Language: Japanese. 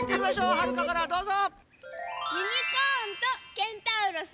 はるかからどうぞ！